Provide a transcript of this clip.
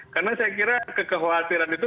karena saya kira kekhawatiran itu